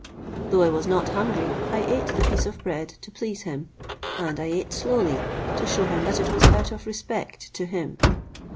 Though I was not hungry, I ate the piece of bread to please him, and I ate slowly to shew him that it was out of respect to him.